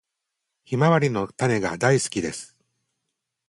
ヒマワリの種が大好きです。